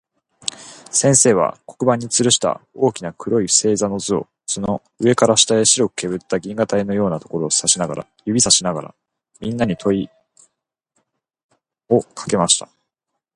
先生は、黒板に吊つるした大きな黒い星座の図の、上から下へ白くけぶった銀河帯のようなところを指さしながら、みんなに問といをかけました。